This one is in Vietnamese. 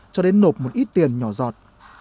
cho đến nộp một ít tiền nhỏ giọt